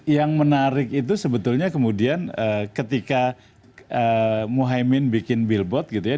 yang menarik itu sebetulnya kemudian ketika muhaymin bikin billboard gitu ya